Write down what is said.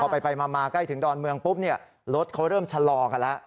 ไปมาใกล้ถึงดอนเมืองปุ๊บรถเขาเริ่มชะลอกันแล้ว